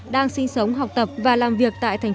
đặc biệt là